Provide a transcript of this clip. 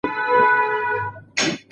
موږ د ټولنیز امنیت غوښتونکي یو.